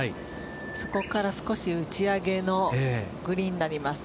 そこから少し打ち上げのグリーンになります。